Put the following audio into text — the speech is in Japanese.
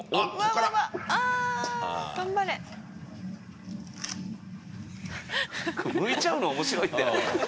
これむいちゃうの面白いんだよ。